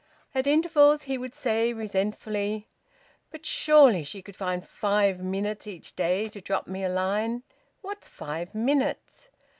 At intervals he would say resentfully: "But surely she could find five minutes each day to drop me a line! What's five minutes?"